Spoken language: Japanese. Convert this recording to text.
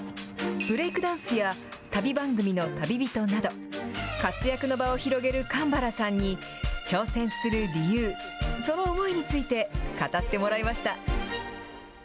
ブレイクダンスや、旅番組の旅人など、活躍の場を広げるかんばらさんに挑戦する理由、その思いについて、語ってもらいました。